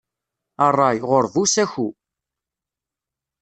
Ṛṛay, ɣuṛ bu usaku.